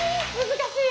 難しい！